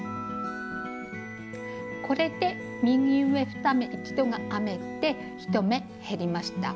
これで「右上２目一度」が編めて１目減りました。